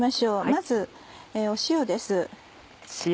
まず塩です。